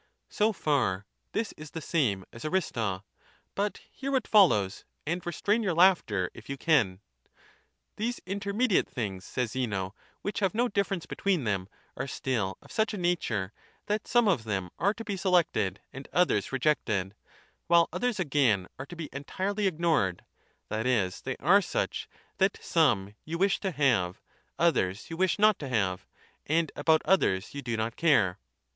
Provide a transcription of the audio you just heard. So far this is the same as Aristo ; but hear what follows, and restrain your laughter if you can. These intermediate things, says Zeno, which have no difference between them, are still of such a nature that some of them are to be selected and others rejected, while others again are to be entirely ignored ; that is, they are such that some you wish to have, others you wish not to have, and about others you do not care.